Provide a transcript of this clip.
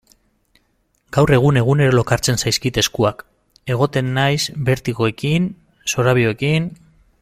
Gaur egun egunero lokartzen zaizkit eskuak, egoten naiz bertigoekin, zorabioekin...